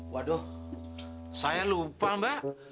waduh saya lupa mbak